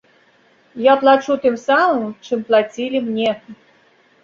Я плачу тым самым, чым плацілі мне.